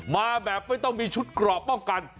มาแบบไม่ต้องมีชุดกรอบป้องกัน